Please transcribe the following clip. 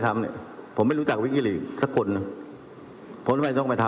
ทำไมจะต้องไปเพื่องไปเว็กท์หักกุ้งไฮเกอร์